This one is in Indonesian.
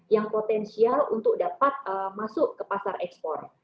yang potensial untuk dapat masuk ke pasar ekspor